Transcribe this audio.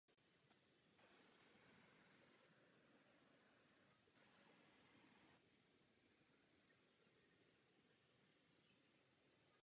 Soutěže jednotlivců se neúčastnil.